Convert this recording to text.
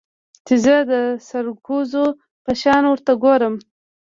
چې زه د سرکوزو په شان ورته گورم.